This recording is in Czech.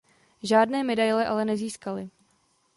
Žádné medaile ale nezískali.